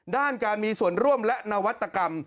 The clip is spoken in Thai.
ด้านการมีส่วนร่วมและนวัตกรรม